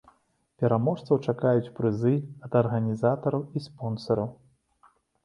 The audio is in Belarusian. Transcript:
Пераможцаў чакаюць прызы ад арганізатараў і спонсараў.